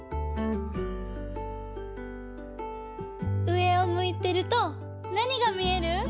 うえをむいてるとなにがみえる？